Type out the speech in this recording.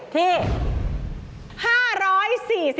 ที่